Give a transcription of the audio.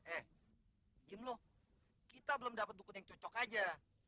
eh gim loh kita belum dapat dukun yang cocok aja